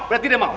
berarti dia mau